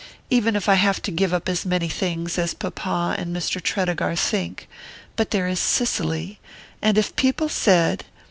even if I have to give up as many things as papa and Mr. Tredegar think...but there is Cicely...and if people said...."